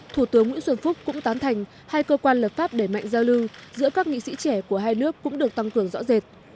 thủ tướng nguyễn xuân phúc cũng tán thành hai cơ quan lập pháp để mạnh giao lưu giữa các nghị sĩ trẻ của hai nước cũng được tăng cường rõ rệt